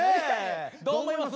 どう思います？